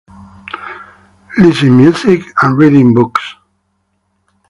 Listen music and reading books.